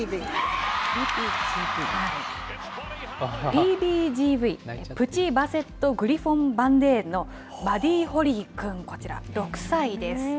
ＰＢＧＶ・プチ・バセット・グリフォン・バンデーンのバディ・ホリーくん、こちら６歳です。